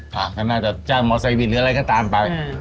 พาเขาน่าจะเจ้ามอเซริวิตหรืออะไรก็ตามไป